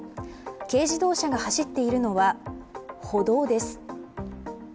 軽自動車が走っているのは歩道です。